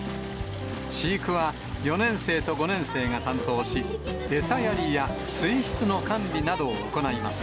飼育は４年生と５年生が担当し、餌やりや水質の管理などを行います。